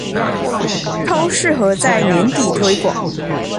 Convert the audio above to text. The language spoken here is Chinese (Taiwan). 超適合在年底推廣